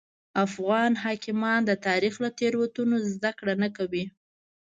افغان حاکمان د تاریخ له تېروتنو زده کړه نه کوي.